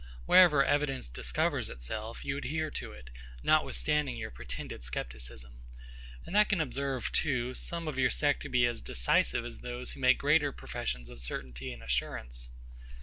Wherever evidence discovers itself, you adhere to it, notwithstanding your pretended scepticism; and I can observe, too, some of your sect to be as decisive as those who make greater professions of certainty and assurance.